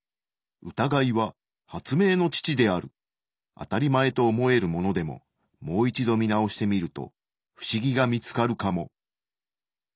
あたりまえと思えるものでももう一度見直してみるとフシギが見つかるかも。